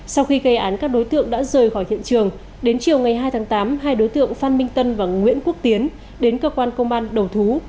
sau khi gây án các đối tượng đã rời khỏi hiện trường đến chiều ngày hai tháng tám hai đối tượng phan minh tân và nguyễn quốc tiến đến cơ quan công an đầu thú